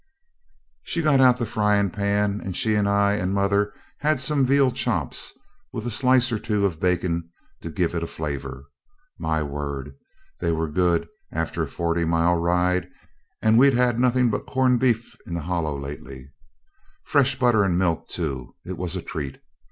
So she got out the frying pan, and she and I and mother had some veal chops, with a slice or two of bacon to give it a flavour. My word! they were good after a forty mile ride, and we'd had nothing but corned beef in the Hollow lately. Fresh butter and milk too; it was a treat.